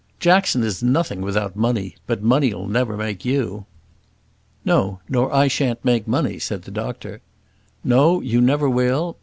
Jackson is nothing without money; but money'll never make you." "No, nor I shan't make money," said the doctor. "No, you never will.